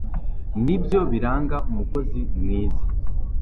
ni byo biranga umukozi mwiza